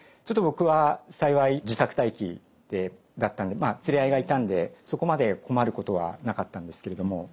僕は幸い自宅待機だったんで連れ合いがいたんでそこまで困ることはなかったんですけれども。